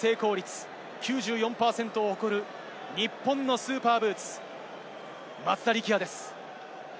蹴るのは驚異のキック成功率９４％を誇る日本のスーパーブーツ、松田力也です。